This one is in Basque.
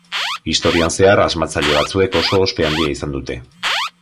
Historian zehar asmatzaile batzuek oso ospe handia izan dute.